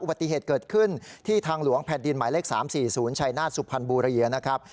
ปฏิเหตุเกิดขึ้นที่ทางหลวงแผ่นดินหมายเลข๓๔๐ชัยนาศสุพรรณบุรีนะครับ